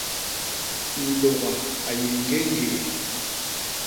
Nlôga a yé ñgéñgéé.